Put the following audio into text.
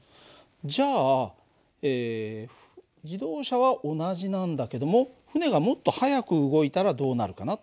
じゃあ自動車は同じなんだけども船がもっと速く動いたらどうなるかな。